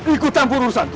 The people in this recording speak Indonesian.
ikut tampur urusan itu